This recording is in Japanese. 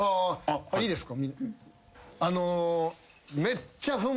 いいですか？